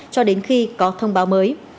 cho đến khi có thông báo mới